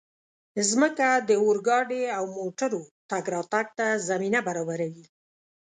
مځکه د اورګاډي او موټرو تګ راتګ ته زمینه برابروي.